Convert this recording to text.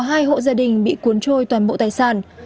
hai hộ gia đình bị cuốn trôi toàn bộ tài sản